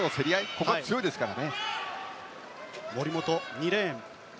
ここは強いですから。